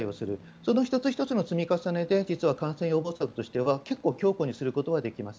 その１つ１つの積み重ねで感染予防策としては結構、強固にすることはできます。